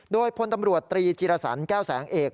โดยพลตำรวจตรีจิรสันแก้วแสงเอก